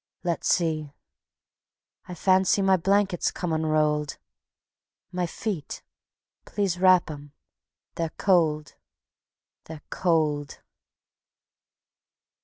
. let's see: I fancy my blanket's come unrolled My feet, please wrap 'em they're cold ... they're cold."